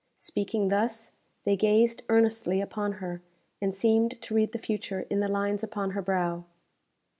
Speaking thus, they gazed earnestly upon her, and seemed to read the future in the lines upon her brow.